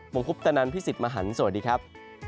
ผมคุพธนันทร์พี่สิทธิ์มหันต์สวัสดีครับ